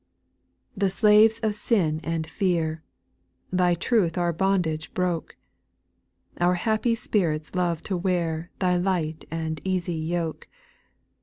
3. The slaves of sin and fear, — Thy truth our bondage broke : Our happy sj^irits love to wear Thy light and easy yoke.